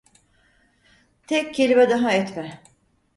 Tek kelime daha etme.